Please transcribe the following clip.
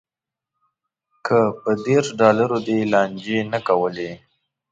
که په دېرش ډالرو دې لانجې نه کولی.